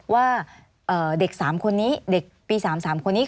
ว่าเด็ก๓คนนี้เด็กปี๓๓คนนี้